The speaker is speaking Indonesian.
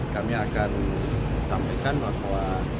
kami akan sampaikan bahwa